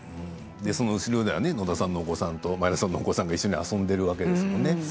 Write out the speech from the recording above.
その後ろでは野田さんのお子さんと前田さんのお子さんが一緒に遊んでるわけですよね。